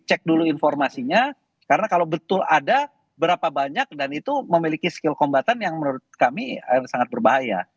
cek dulu informasinya karena kalau betul ada berapa banyak dan itu memiliki skill kombatan yang menurut kami sangat berbahaya